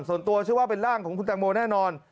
ส่วนตัวเชื่อว่าเป็นร่างของคุณแตงโมแน่นอน